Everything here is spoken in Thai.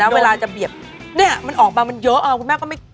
เวลาจะเบียดเนี่ยมันออกมามันเยอะคุณแม่ก็ไม่